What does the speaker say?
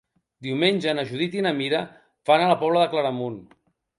Diumenge na Judit i na Mira van a la Pobla de Claramunt.